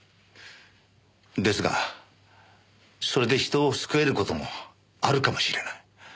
ですがそれで人を救える事もあるかもしれない。